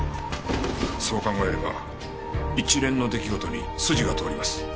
そう考えれば一連の出来事に筋が通ります。